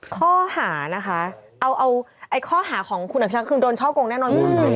ข้อหานะคะเอาข้อหาของคุณพิชังคือโดนเช่าโกงแน่นอน